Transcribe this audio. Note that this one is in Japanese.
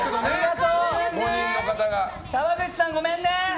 川口さん、ごめんね。